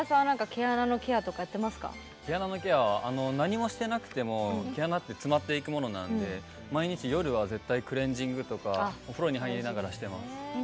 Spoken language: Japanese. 毛穴のケアは何もしてなくても毛穴って詰まっていくものなので毎日、夜は絶対クレンジングとかお風呂に入りながらしています。